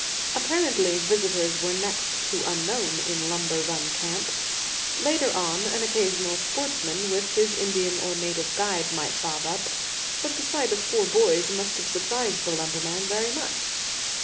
Apparently visitors were next to unknown in Lumber Run Camp. Later on an occasional sportsman, with his Indian or native guide, might bob up; but the sight of four boys must have surprised the lumberman very much.